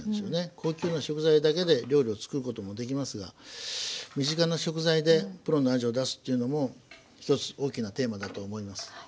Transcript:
高級な食材だけで料理を作ることもできますが身近な食材でプロの味を出すっていうのも一つ大きなテーマだと思います。